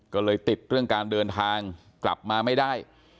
ก็เลยติดเรื่องการเดินทางกลับมาไม่ได้